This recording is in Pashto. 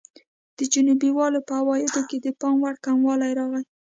د جنوبي والو په عوایدو کې د پاموړ کموالی راغی.